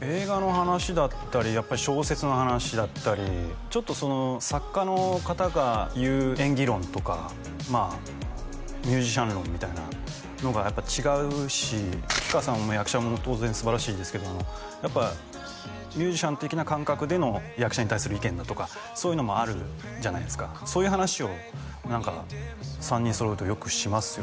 映画の話だったりやっぱり小説の話だったりちょっとその作家の方が言う演技論とかミュージシャン論みたいなのがやっぱ違うし吉川さんも役者も当然すばらしいですけどやっぱミュージシャン的な感覚での役者に対する意見だとかそういうのもあるじゃないですかそういう話を何か３人揃うとよくしますよね